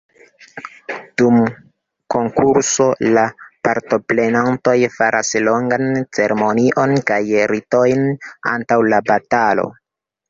Dum konkurso, la partoprenantoj faras longan ceremonion kaj ritojn antaŭ la batalo.